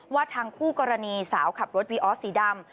ว่าทางคู่กรณีสาวขับรถวีออสสีดำ